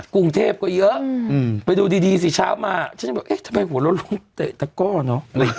กรุงเทพก็เยอะไปดูดีสิเช้ามาฉันจะบอกเอ๊ะทำไมหัวเราะล้มเตะตะก้อเนอะ